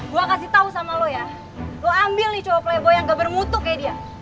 gue kasih tau sama lo ya lo ambil nih cowok playbo yang gak bermutu kayak dia